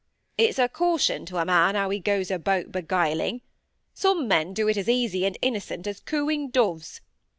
"It's a caution to a man how he goes about beguiling. Some men do it as easy and innocent as cooing doves.